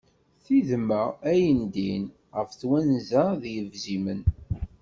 Tidma ayen din, ɣef twenza d ibzimen.